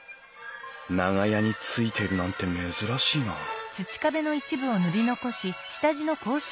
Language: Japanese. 長屋についてるなんて珍しいなうん？